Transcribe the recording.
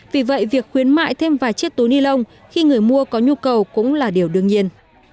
vì vậy việc khuyến mại thêm vài chiếc túi ni lông khi người mua có nhu cầu cũng là điều đương nhiên